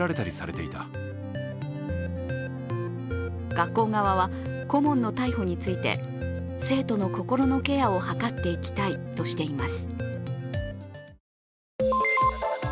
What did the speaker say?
学校側は、顧問の逮捕について生徒の心のケアを図っていきたいとしています。